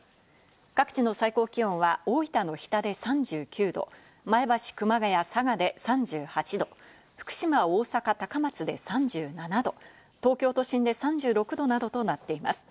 各地の最高気温は大分の日田で３９度、前橋、熊谷、佐賀で３８度、福島、大阪、高松で３７度、東京都心で３６度などとなっています。